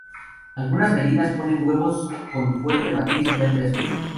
Algunas gallinas ponen huevos con fuerte matiz verde-azul.